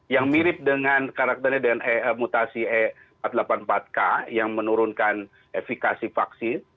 yang mirip dengan karakternya dengan mutasi e empat ratus delapan puluh empat k yang menurunkan efikasi vaksin